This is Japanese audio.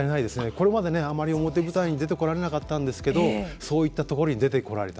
これまであまり表舞台に出てこられなかったんですけどそういったところに出てこられた。